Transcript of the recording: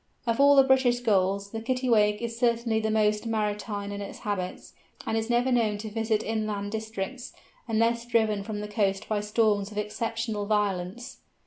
Of all the British Gulls the Kittiwake is certainly the most maritime in its habits, and is never known to visit inland districts, unless driven from the coast by storms of exceptional violence.